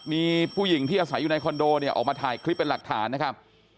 มีผู้หญิงที่อาศัยอยู่ในคอนโดเนี่ยออกมาถ่ายคลิปเป็นหลักฐานนะครับ